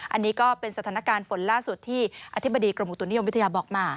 อันนี้ก็เป็นสถานการณ์ฝนล่าสุดที่อธิบดีกรมอุตุนิยมวิทยาบอกมา